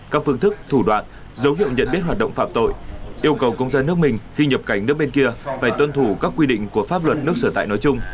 các phương thức thủ đoạn dấu hiệu nhận biết hoạt động phạm tội yêu cầu công dân nước mình khi nhập cảnh nước bên kia phải tuân thủ các quy định của pháp luật nước sở tại nói chung